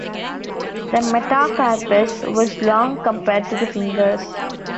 The metacarpus was long compared to the fingers.